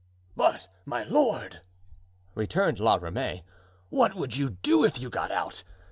"But, my lord," returned La Ramee, "what would you do if you got out?